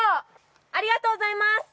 ありがとうございます！